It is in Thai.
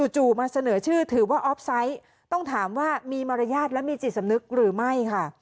จู่มาเสนอชื่อถือว่าออฟไซต์ต้องถามว่ามีมารยาทและมีจิตสำนึกหรือไม่ค่ะ